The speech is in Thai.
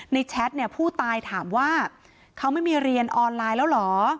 แชทเนี่ยผู้ตายถามว่าเขาไม่มีเรียนออนไลน์แล้วเหรอ